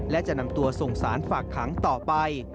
และจะนำตัวส่งสารฝากขังต่อไป